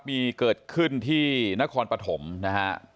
มีเกิดขึ้นที่นครปฐมนะฮะ